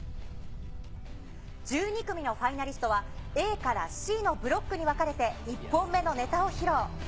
１２組のファイナリストは、ＡからＣのブロックに分かれて、１本目のネタを披露。